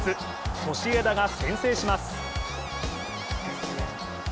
ソシエダが先制します。